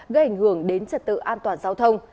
gây ảnh hưởng đến trật tự an toàn giao thông